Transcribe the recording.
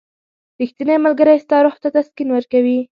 • ریښتینی ملګری ستا روح ته تسکین ورکوي.